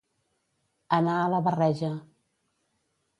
Anar a la barreja.